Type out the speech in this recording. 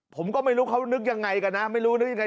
ผมก็ไม่รู้เขานึกยังไงกันนะไม่รู้นึกยังไง